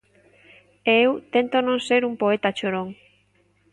E eu tento non ser un poeta chorón.